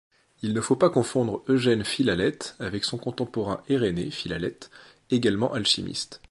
Il ne faut pas confondre Eugène Philalèthe avec son contemporain Eyrénée Philalèthe, également alchimiste.